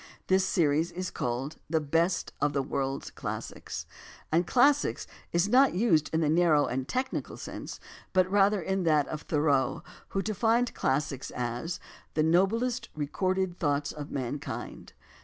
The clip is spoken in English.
This series is called "The Best of the World's Classics," and "clas sics" is used not in the narrow and technical sense, but rather in that of Thoreau, who defined classics as "the noblest recorded thoughts of mankind."